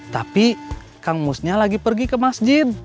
tapi kang musnya lagi pergi ke masjid